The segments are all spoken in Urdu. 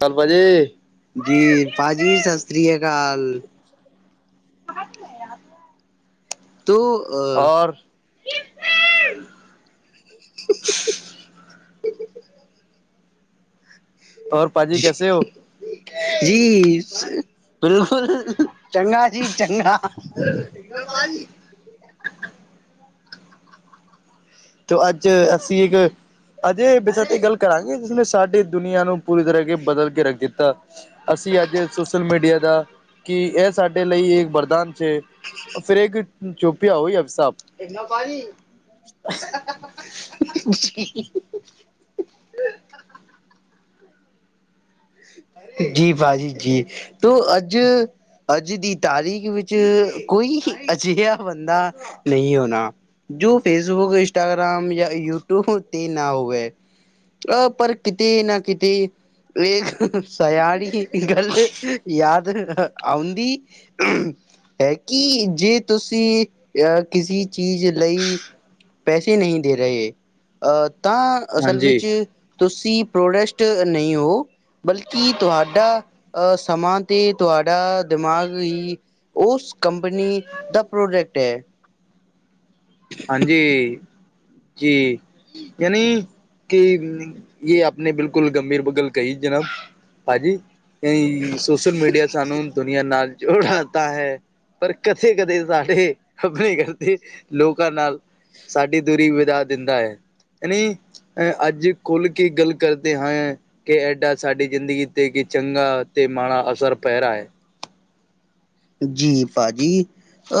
کل ب جی جی پا جی سری کال آپ تو اور پاجی کیسے ہو جی بالکل چگا جی چنگا تو اج ا ایک اجے سر گل کرا گ جس نے ساری دنیا ن پوری طرح کے بدل کے رکھ دتا اج سوشل میڈیا کا کہ یہ سے ل ایک بردان سے پھر ایک چوپیاں ہوئی اب صاح انا بانی جی با جی جی تو اج اج کی تاریخ و کوئی اجا بند نہیں ہونا جو فیس بک انسٹاگررام یا یوٹیوب نہ ہوئے ا پر کتی نہ کتی ایک سیاانی گل یاد آند ہے کہ تسی کسی چیز پیسے نہیں دے رہے ہاں اصل جی پروڈسٹ نہیں ہو بلکہ تڈا ا سماں تڈا دماغ ہی اس کمپنی کا پروڈکٹ ہے ہاں جی جی یعنی کہ یہ آپ نے بالکل گمبھیر بگل کہی جناب با جی یہ سوشل میڈیا سان دنیا ن جوڑاتا ہے پر کدے کدے ساارے اپنے کرتے لوگ ن سی دوری بجا دا ہے نی ا اج کل کے گل کرتے ہیں کہ ایڈا سی زندی ت کہ چنگا ت ماڑا اثر پے رہا ہے جی با جی ا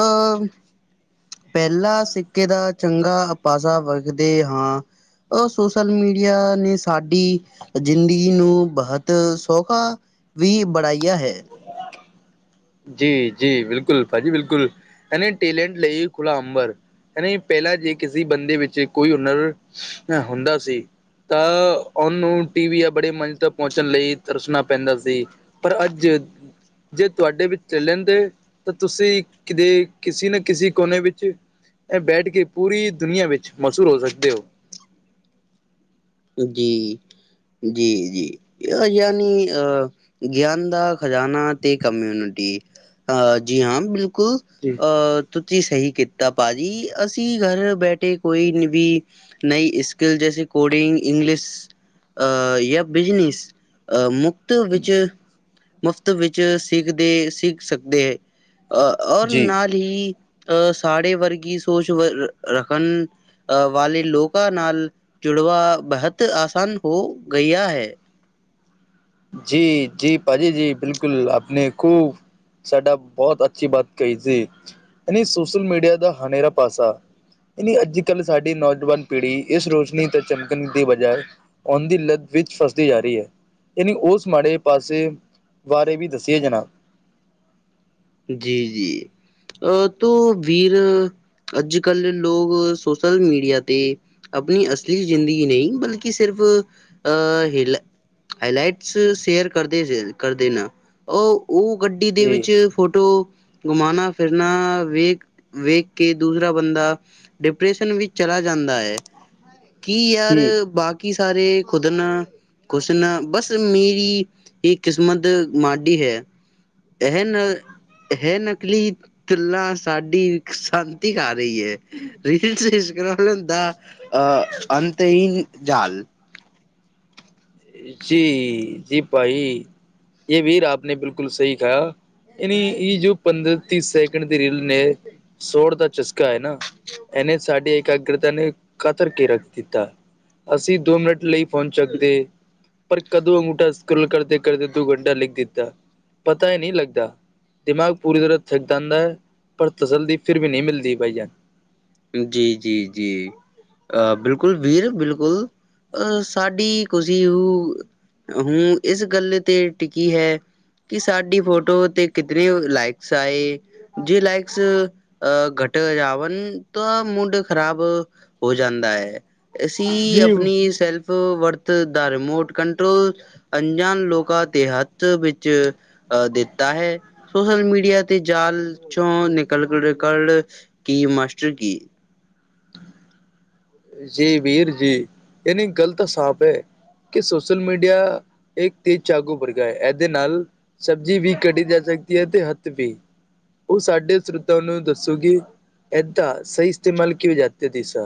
پہلا سکے کا چنگا اپاسا وکھتے ہاں اور سوشل میڈیا نے سی زندگی ن بہت سوکھا بھی بڑایا ہے [inaudible] جی جی بالکل باجی بالکل ٹیلٹ ل کلا امبر پہللا ج کسی بند ب کوئی ہنر ہتا س ت اننوں ٹی وییا بڑے منج تک پہنچنے ل ترسنا پینتا س پر اج توڈے بھی چل د تو ت کے کسی نہ کسی کونے ب بیٹھ کے پوری دنیا ب موصور ہو سکتے ہو جی جی جی یعنی ا گان د خزانہ ت کمیونٹی ہ جی ہاں بالکل جی ا ت صیتا با جی اسی گھر بیٹھے کوئی بھی نئی اسکل جیسے کوڈنگ انگلش ا یا بزنیس مفت ب مفت ب سیکھتے سیکھ سکتے ہے ا اور ن جی ہی ا ساڑے ورگ سوچ رکھن ا والے لوکاں ن جڑوا بہت آسان ہو گیا ہے جی جی پاجی جی بالکل آپ نے خوب سڈا بہت اچھی بات کہی ج نی سوشل میڈیا کا ہرا پاسا نی اج کل سی نوجوان پیڑھی اس روشنی ت چمکن کی بجائے فون دی لت ویچ فس دی جا رہی ہے نی اس ماڑے پاسے بے بھی دسیے جنا جی جی ا تو ویر اج کل لوگ سوشل میڈیا ت اپنی اصلی زندگی نہیں بلکہ صرف ا ہلا ہائی لائٹس شیئر کر کر د ن اور وہ گڈی جی د و فوٹو گھمانا پھرنا ویک ویکیک کے دوسرا بندہ ڈپریشن و چلا جا ہے کی یار جی باقی کی سارے خدن کھ نہ بس میری ہی قسمت ماڈی ہے این ہے نکلی تللا سی سانتی ک رہی ہے ریلس اسکرح ل ا انت ہیین جال جی جی پھائی یہ ویر آپ نے بالکل صحیح کہا انی یہ جو پندرہ تیس سیکنڈ کی ریل نے سوڑتا چسکا ہے نا ان نے ساری ایکاگرتا نے قطر کے رکھ دتا اسی دو منٹ ل فون چک دی پر کدو انگوٹا سکرول کرتے کرتے تو گنڈا لکھ دتا پتا ہی نہیں لگتا دماغ پوری طرح تھکتا آا ہے پر تسلد پھر بھی نہیں ملتی بھائی جان جی جی جی ا بالکل بھییر بالکل ا سی کسی وہ ہوں اس گل ت ٹکی ہے کہ ساڈی فوٹو ت کتنے لائکس آئے جی لائکس گٹ جان تو موڈ خراب ہو جا ہے ای جی اپنی سیلف ورت د ریموٹ کنٹرول انجان لوکا کے ہاتھ بی ا دتا ہے سوشل میڈیا ت جال چو نکل ریکارڈ کی ماسٹر کی جی ویر جی یہ نہیں گغلط سانپ ہے کہ سوشل میڈیا ایک تیز چاقو رگا ہے ایے ن سبزی بھی کڈھی جا سکتی ہے ت ہاتھ بھی وہ سڈے سروتوں ن دسو گی ادا صحی استعمال کی ہو جات ہے دی سا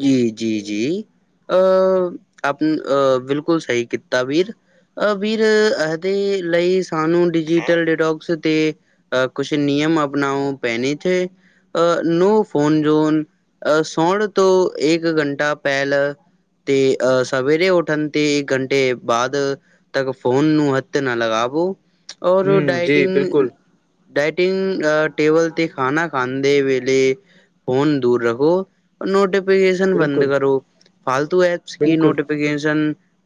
جی جی جی ا اپ بالکل صحیتا بھییر ابیر اے ل سانو ڈیجیٹل ڈیٹوکس ت کچھ نیم اپناؤ پہنے تھے ا نو فون جوون سوڑ تو ایک گھنٹہ پہل ت ا سویر اٹھن ت ایک گھنٹے بعد تک فون ن ہھ نہ لگاابو اور ہوں جی ڈائٹنگ بالکل ڈائٹنگ ٹیبل ت کھانا کھانے ویے فون دور رکھو نوٹیفکیشن بند بالکل کرو فالتو ایپس کی بالکل نوف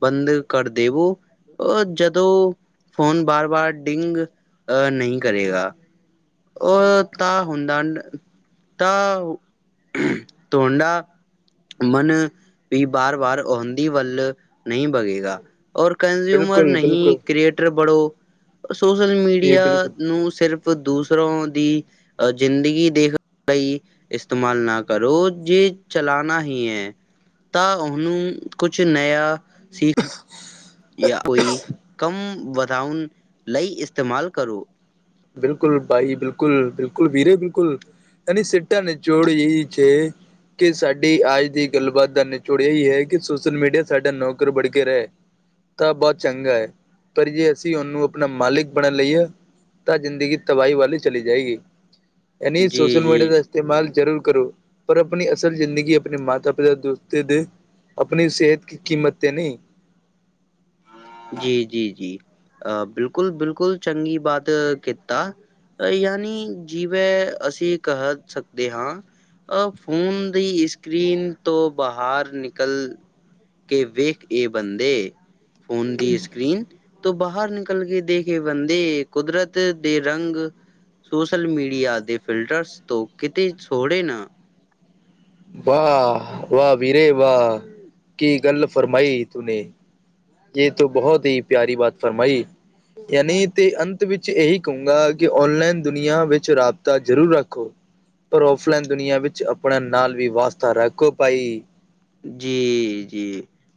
بند کر دو اور ج فون بار بار ڈنگ نہیں کرے گا اور ت ہ ت توونڈا من بھی بار بار اہنی ول نہیں بگے گا اور کنزیوومر بالکل بالکل نہیں کریٹر بڑو سوشل جی میڈیا بالکل ن صرف صر دوسروں کی زندگی دھنے ل استعمال نہ کرو جی چلانا ہی ہے ت انوں کچھ نیا یا کوئی کم ودھان ل استعمال کرو بالکل بھائی بالکل بالکل بھییرے بالکل انی سیٹا نے جوڑی کہ سی آج کی گل بات کا نچوڑ یہی ہے کہ سوشل میڈیا سڈا نوکر بڑھ کے رہے تو بہت چنگا ہے پر جی اسی اننوں اپنا مالک بنا لیے ت زندگی تباہی والی چلی جائے گی یعنی سوشل میڈیا سے استعمال ضرور کرو پر اپنی اصل زندگی اپنے ماتتا پتا دوستتے د اپنی صحت کی قیمت ت نہیں جی جی جی بالکل بالکل چنگ باتتا یعنی جیو ا کہہ سکتے ہ ا فون دی اسکرین تو باہر نکل کہ وھ یہ بند فونون دی اسکرین تو باہر نکل کے دیکھے بندے قدرت د رنگ سوشل میڈیا کے فلٹرس تو کت سوڑے نہ واہ واہ ویرے واہ کی گل فرمائی ت نے یہ تو بہت ہی پیاری بات فرمائی یعنی ت انت چ یہی کہوں گا کہ آن لائن دنیا و رابط ضرور رکھو پر آف لائن دنیا ب اپنا ن بھی واسطتا رکو پائی جی جی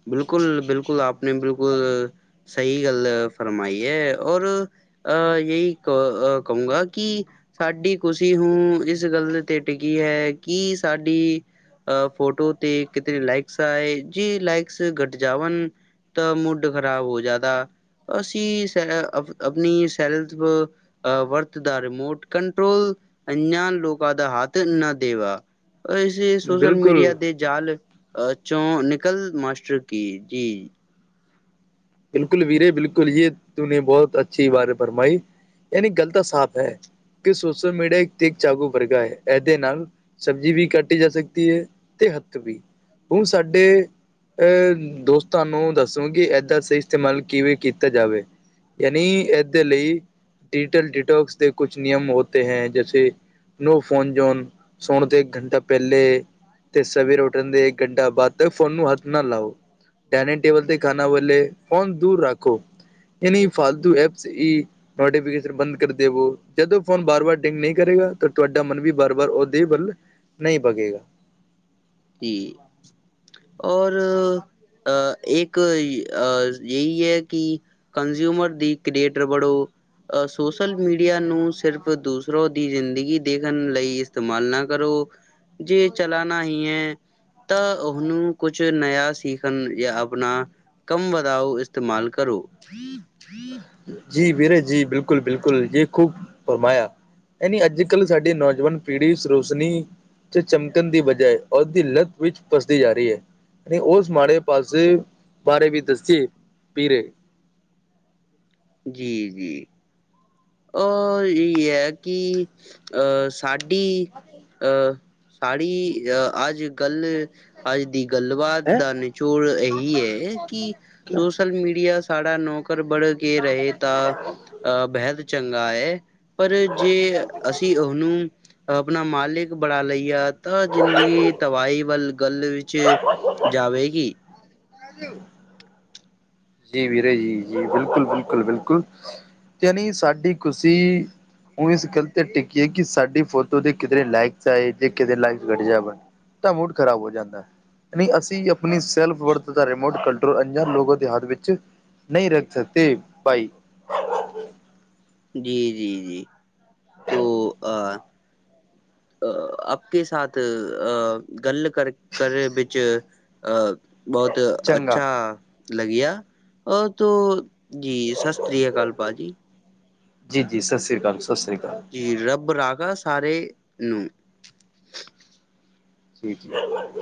بالکل بالکل آپ نے بالکل سحی گل فرمائی ہے اور ا یہی کہوں گا کہ سڈ خوشی ہ اس گل ت ٹکی ہے کہ سی ا فوٹو ت کتری لائکس آ جی لائس گٹ جا تو مڈ خراب ہو جاتا ا س اپنی سیلف ا وورتد ریموٹ کنٹرول انیا لوا کا ہاتھ نہ دوا اس سوشل میڈیا بالکل د جال چ نکل ماسٹر کی جی بالکل ویرے بالکل یہ تو نے بہت اچھی باتیں فرمائی یعنی غلط صاف ہے کہ سوشل میڈیا ایک ت ایک چاگو رگا ہے ایے ن سبزی بھی کاٹی جا سکتی ہے ت ہھ بھی ہ سڈے ا دوستانو دسوں گ ادا استعمال کیتا جائے یعنی اسے لی ڈیجیٹل ڈیٹکس کچھ نیم ہوتے ہیں جیسے نو فون جون سونے تو ایک گھنٹہ پہلے ت سویر اٹھنے کے ایک گھنٹہ بعد تک فون ہاتھ نہ لاؤ ڈائننگ ٹیبل ت کھانا بولے فون دور رکھو نی فالتو ایپس نوٹیفش بند کر دو ج فون بار بار ڈنگ نہیں کرے گا تو تا من بھی بار بار اد ہی بل نہیں بگے گا جی اور ا ایک یہی ہے کہ کنزیوومر دی کریٹ بڑو سوشل میڈیا ن صرف دوسروں کی زندگی دیکھنے ل استعمال نہ کرو جی چلانا ہی ہے ت اسنوں کچھ نیا سیکھن یا اپنا کم واؤ استعمال کرو جی ویرے جی بالکل بالکل یہ خوب فرمایا نی اج کل سی نوجوان پیڑھی سروسنی سے چمکن کی بجائے اور کی لت و پستی ج رہی ہے نہیں اس ماڑے پاسے بارے بھی دسیے پیرے جی جی ا یہی ہے کہ ا سی ا سااریی آج کل آج د گل بات ہیں کا نچوڑ یہی ہے کہ کیا سوشل میڈیا سارا نوک بڑھ کے رہے ت بحد چنگا ہے پر ج اسی اسن اپنا مالک بنا لییا ت زندگ تباہی وال گل ب جو گی ہیلو جی ویرے جی جی بالکل بالکل بالکل ینی سی خشی ا اس گل ت ٹکی ہے کہ سی فوٹو تو کدے لائک آئے ج کے لائک گٹ جابن تو موڈ خراب ہو جا ہے نہیں ا اپنی سیلف رتتا ریموٹ کنٹرول اناں لگوں کے ہاتھ نہیں رکھ سکتے بھائی جی جی جی تو ا آپ کے ساتھ ا گل کر کر ب ا بہت اچھا لگیا اور تو جی سستری کال با جی جی س سری ا سال ست سرری اکال جی رب راگا سارے ن سیت ہے ال